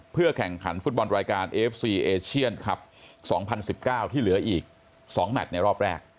แข่งขันฟุตบอลรายการเอฟซีเอเชียนคลับ๒๐๑๙ที่เหลืออีก๒แมทในรอบแรก